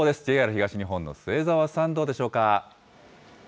ＪＲ東日本の末澤さん、どうでしょうか。